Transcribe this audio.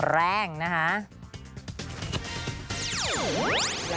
แรงนะคะ